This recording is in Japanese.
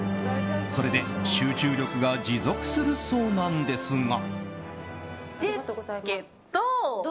それで集中力が持続するそうなんですが。